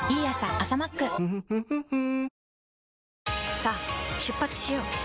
さあ出発しよう。